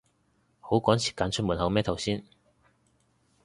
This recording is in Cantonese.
好趕時間出門口咩頭先